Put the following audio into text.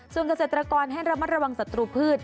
ส่วนเกษตรกรให้ระมัดระวังศัตรูพืช